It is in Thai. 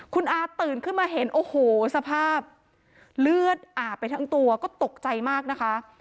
คุณอาตื่นขึ้นมาเห็นโอ้โหสภาพเลือดอาบไปทั้งตัวก็ตกใจมากนะคะ